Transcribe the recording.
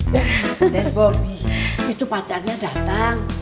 dan bobi itu pacarnya datang